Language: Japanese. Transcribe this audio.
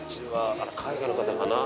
あら海外の方かな？